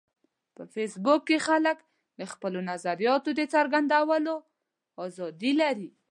په فېسبوک کې خلک د خپلو نظریاتو د څرګندولو ازادي لري